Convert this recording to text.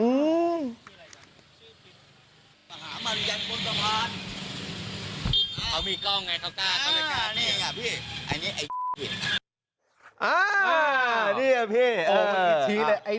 แบบนี้นี่ไงเพเออ